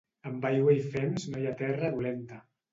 Amb aigua i fems no hi ha terra dolenta.